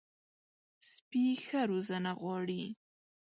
سپي ښه روزنه غواړي.